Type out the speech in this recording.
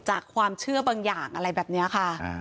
จากความเชื่อบางอย่างอะไรแบบนี้ค่ะ